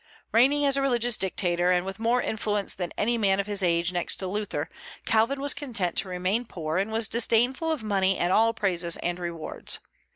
Reigning as a religious dictator, and with more influence than any man of his age, next to Luther, Calvin was content to remain poor, and was disdainful of money and all praises and rewards.